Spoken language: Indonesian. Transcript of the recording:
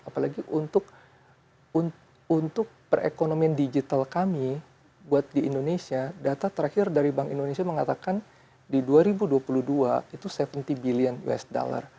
apalagi untuk perekonomian digital kami buat di indonesia data terakhir dari bank indonesia mengatakan di dua ribu dua puluh dua itu tujuh puluh billion usd